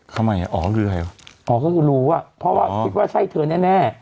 ทำไมอ่ะอ๋อคือใครอ๋อก็คือรู้อ่ะเพราะว่าคิดว่าใช่เธอแน่แน่